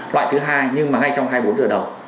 loại thứ hai nhưng mà ngay trong hai mươi bốn giờ đầu